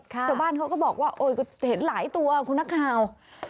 ชาวบ้านเขาก็บอกว่าโอ้ยเห็นหลายตัวคุณนักข่าว